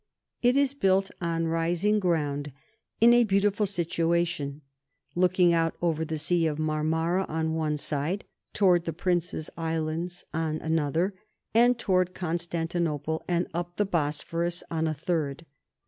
It is built on rising ground, in a beautiful situation, looking over the Sea of Marmora on one side, towards the Princes' Islands on another, and towards Constantinople and up the Bosphorus on a third.